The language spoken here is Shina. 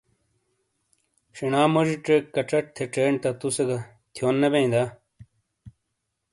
شینا موجی چیک کچٹ تھے چینڈ تا تُو سے گہ، تھیون نے بیئں دا؟